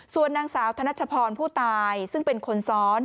ส่วนนางสาวธนัชพรผู้ตายซึ่งเป็นคนซ้อน